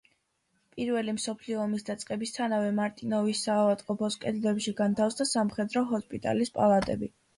პირველი მსოფლიო ომის დაწყებისთანავე მარტინოვის საავადმყოფოს კედლებში განთავსდა სამხედრო ჰოსპიტალის პალატები.